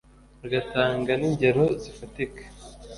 agatanga ni ngero zifatika.